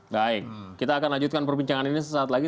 baik kita akan lanjutkan perbincangan ini sesaat lagi